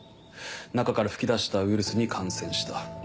中から噴き出したウイルスに感染した。